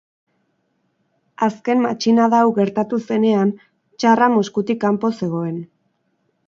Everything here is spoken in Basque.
Azken matxinada hau gertatu zenean, tsarra Moskutik kanpo zegoen.